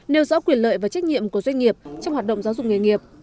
nêu rõ quyền lợi và trách nhiệm của doanh nghiệp trong hoạt động giáo dục nghề nghiệp